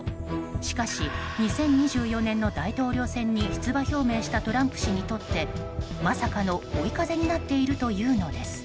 しかし２０２４年の大統領選に出馬表明したトランプ氏にとってまさかの追い風になっているというのです。